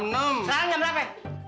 sekarang jam berapa ya